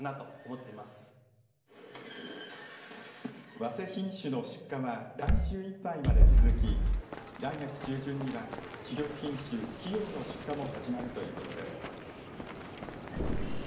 わせ品種の出荷は来週いっぱいまで続き来月中旬には主力品種、貴陽の出荷も始まるということです。